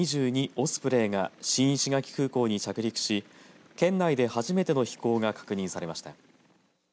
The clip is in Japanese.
オスプレイが新石垣空港に着陸し県内で初めての飛行が確認されました。